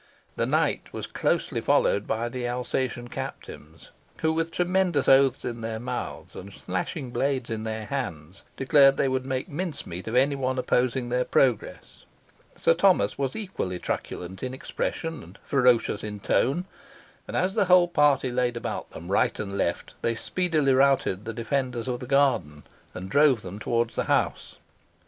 The knight was closely followed by the Alsatian captains, who, with tremendous oaths in their mouths, and slashing blades in their hands, declared they would make minced meat of any one opposing their progress. Sir Thomas was equally truculent in expression and ferocious in tone, and as the whole party laid about them right and left, they speedily routed the defenders of the garden, and drove them towards the house.